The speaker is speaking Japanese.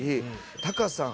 タカさん